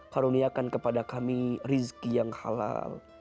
karuniakan kepada kami rizki yang halal